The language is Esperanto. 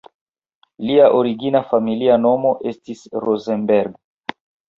Lia origina familia nomo estis "Rosenberg".